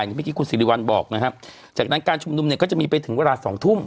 อย่างเมื่อกี้คุณศรีริวัลบอกนะฮะจากนั้นการชุมนุมเนี้ยก็จะมีไปถึงเวลาสองทุ่ม